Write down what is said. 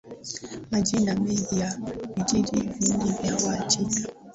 Majina mengi ya vijiji vingi vya Wajita